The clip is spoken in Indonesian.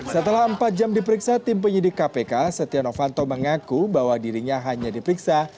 setelah empat jam diperiksa tim penyidik kpk setia novanto mengaku bahwa dirinya hanya diperiksa